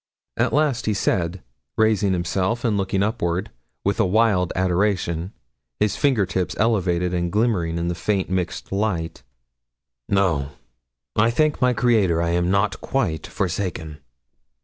At last he said, raising himself and looking upward, with a wild adoration his finger tips elevated and glimmering in the faint mixed light 'No, I thank my Creator, I am not quite forsaken.'